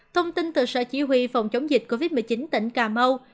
thông tin từ sở chỉ huy phòng chống dịch covid một mươi chín tỉnh cà mau